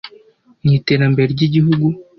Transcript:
mu iterambere ry’igihugu,